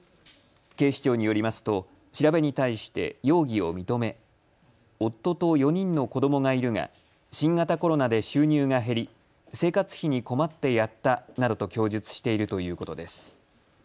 警視庁によりますと調べに対して容疑を認め夫と４人の子どもがいるが新型コロナで収入が減り生活費に困ってやったなどと供述しているということです。